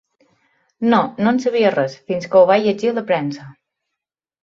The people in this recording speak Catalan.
No, no en sabia res, fins que ho vaig llegir a la premsa.